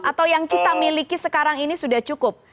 atau yang kita miliki sekarang ini sudah cukup